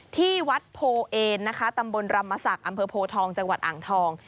ที่วัดโพเอนนะคะตำบลรำมศักดิ์อำเภอโพทองจังหวัดอ่างทอง